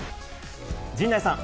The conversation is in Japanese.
陣内さん。